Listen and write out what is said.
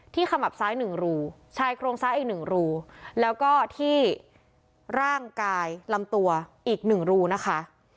ขมับซ้าย๑รูชายโครงซ้ายอีก๑รูแล้วก็ที่ร่างกายลำตัวอีก๑รูนะคะ